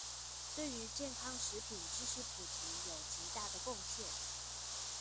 對於健康食品知識普及有極大的貢獻